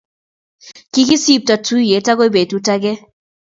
Kikisipto tuyet akoi betut ake